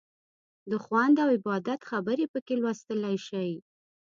د خوند او عبادت خبرې پکې لوستلی شئ.